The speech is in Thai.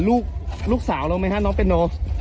ลูกสาวลงไหมคะน้องเปียนโน